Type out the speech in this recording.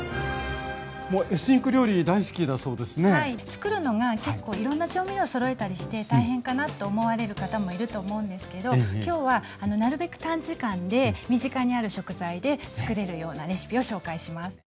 作るのが結構いろんな調味料そろえたりして大変かなと思われる方もいると思うんですけど今日はなるべく短時間で身近にある食材で作れるようなレシピを紹介します。